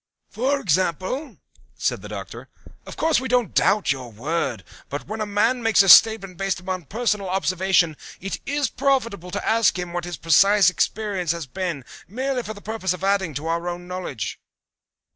"For example?" said the Doctor. "Of course we don't doubt your word, but when a man makes a statement based upon personal observation it is profitable to ask him what his precise experience has been merely for the purpose of adding to our own knowledge."